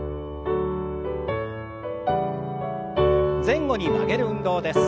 前後に曲げる運動です。